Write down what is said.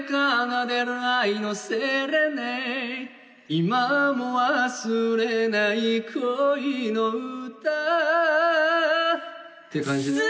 今も忘れない恋の歌っていう感じですよね